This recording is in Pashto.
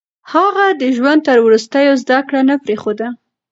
هغه د ژوند تر وروستيو زده کړه نه پرېښوده.